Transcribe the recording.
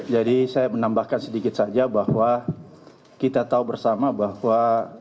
jadi saya menambahkan sedikit saja bahwa kita tahu bersama bahwa